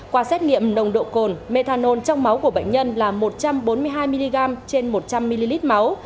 qua xét nghiệm nồng độ cồn methanol trong máu của bệnh nhân là một trăm bốn mươi hai mg trên một trăm linh ml máu